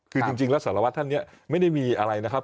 คือจริงแล้วสารวัตรท่านเนี่ยไม่ได้มีอะไรนะครับ